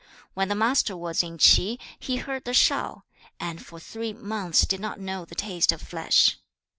When the Master was in Ch'i, he heard the Shao, and for three months did not know the taste of flesh.